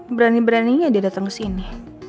berani beraninya dia dateng kesini